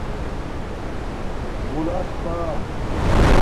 بُلاس پݳ